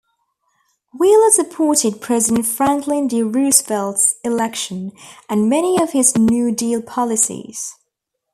Wheeler supported President Franklin D. Roosevelt's election, and many of his New Deal policies.